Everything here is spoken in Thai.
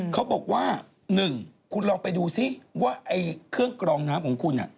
เขาบอกว่า๑คุณลองไปดูซิว่าเครื่องกรองน้ำของคุณ